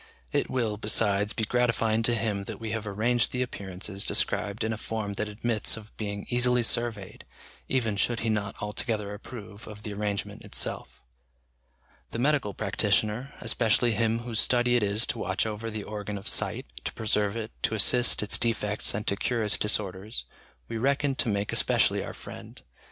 It will, besides, be gratifying to him that we have arranged the appearances described in a form that admits of being easily surveyed, even should he not altogether approve of the arrangement itself. The medical practitioner, especially him whose study it is to watch over the organ of sight, to preserve it, to assist its defects and to cure its disorders, we reckon to make especially our friend.